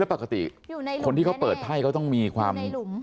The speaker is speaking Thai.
แล้วปกติคนที่เขาเปิดไพ่เขาต้องมีความ